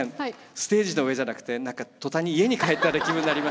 ステージの上じゃなくて何か途端に家に帰ったような気分になりましたけど。